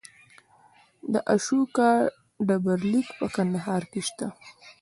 د اشوکا ډبرلیک په کندهار کې شته